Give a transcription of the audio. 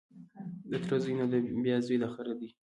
د تره زوی نه دی بیا زوی د خره دی